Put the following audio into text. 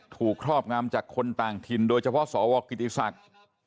ครอบงำจากคนต่างถิ่นโดยเฉพาะสวกิติศักดิ์